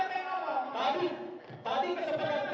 kita selalu berharap